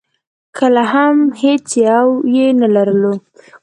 کله هم هېڅ یو یې نه ولرو.